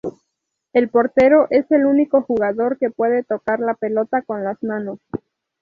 El portero es el único jugador que puede tocar la pelota con las manos.